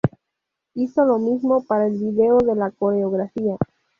Hizo lo mismo para el vídeo de la coreografía.